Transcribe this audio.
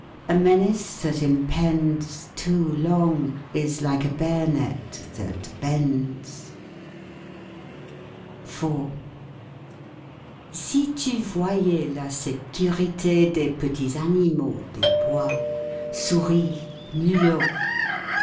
A menace that impends. Too long, is like a bayonet that bends. IV Si tu voyais la securite des petits animaux des bois— souris, mulots